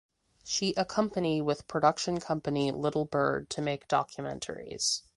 She accompany with production company "Little Bird" to make documentaries.